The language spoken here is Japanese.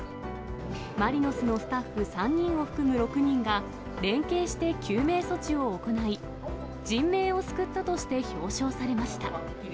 マリノスのスタッフ３人を含む６人が、連係して救命措置を行い、人命を救ったとして表彰されました。